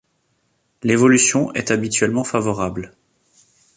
L’évolution est habituellement favorable.